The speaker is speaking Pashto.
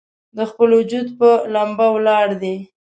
د خپل وجود پۀ ، لمبه ولاړ دی